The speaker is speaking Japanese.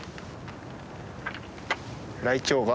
ライチョウが。